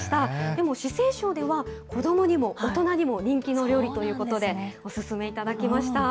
でも四川省では、子どもにも大人にも人気の料理ということで、お勧めいただきました。